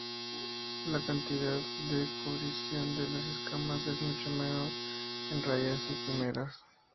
La cantidad de cubrición de las escamas es mucho menor en rayas y quimeras.